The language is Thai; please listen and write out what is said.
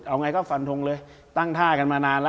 เอาไงก็ฟันทงเลยตั้งท่ากันมานานแล้ว